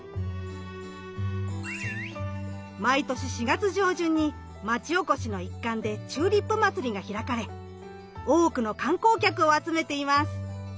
毎年４月上旬に町おこしの一環でチューリップまつりが開かれ多くの観光客を集めています。